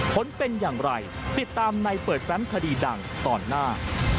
ผลเป็นอย่างไรติดตามในเปิดแฟมคดีดังตอนหน้า